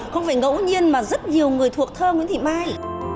không phải ngẫu nhiên mà rất nhiều người thuộc thơ nguyễn thị mai